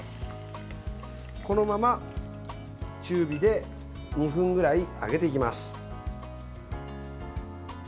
このまま、中火で２分ぐらい揚げていきます。